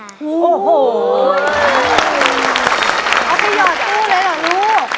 เอาไปหย่อตู้เลยหรอลูก